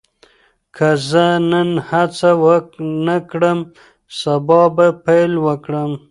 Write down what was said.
که زه نن هڅه ونه کړم، سبا به پیل وکړم.